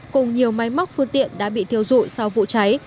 cùng nhiều máy móc phương tiện đã bị thiêu dụi sau vụ cháy